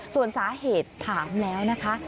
ส่วนสาเหตุถามแล้วนะคะ